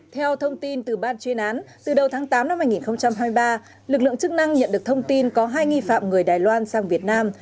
theo thông tin từ ban chuyên án từ đầu tháng tám năm hai nghìn hai mươi ba lực lượng chức năng nhận được thông tin có hai nghi phạm người đài loan sang việt nam